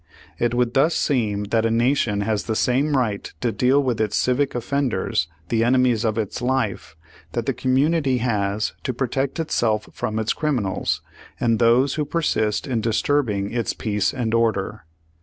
It would thus seem that a Nation has the same right to deal with its civic offenders, the enemies of its life, that the community has to pro tect itself from its criminals, and those who per sist in disturbing its peace and order.